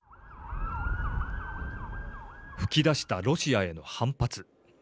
噴き出したロシアへの反発。